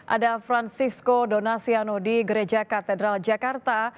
ada francisco donasiano di gereja katedral jakarta